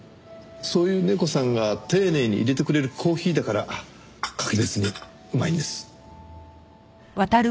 そういうネコさんが丁寧に淹れてくれるコーヒーだから格別にうまいんです。